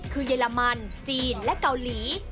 คือเยอรมันจีนและเกาหลี